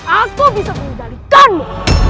aku bisa mengendalikanmu